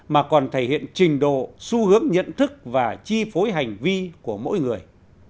mà còn thể hiện trình độ xu hướng nhận thức và chi phối hành vi của mỗi người